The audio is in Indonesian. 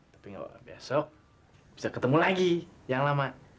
tapi nggak apa apa besok bisa ketemu lagi yang lama